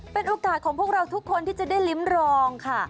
เป็นโอกาสของพวกเราทุกคนที่จะได้ลิ้มรองค่ะ